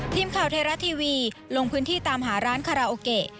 ทีมข่าวไทยรัฐทีวีลงพื้นที่ตามหาร้านคาราโอเกะ